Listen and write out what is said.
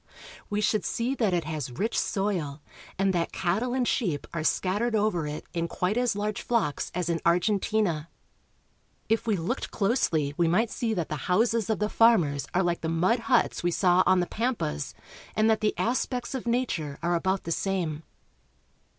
We should see that it has rich soil, and that cattle and sheep are scat tered over it in quite as large flocks as in Argentina. 202 URUGUAY. If we looked closely we might see that the houses of the farmers are like the mud huts we saw on the pampas, and that the aspects of nature are about the same.